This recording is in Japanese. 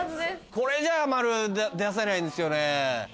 これじゃ「○」出せないんですよね。